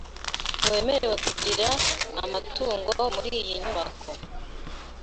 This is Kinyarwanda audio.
Ntiwemerewe kugira amatungo muriyi nyubako.